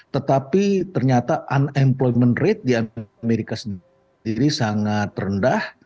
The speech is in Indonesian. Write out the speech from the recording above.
tetapi ternyata unemployment rate di amerika sendiri sangat rendah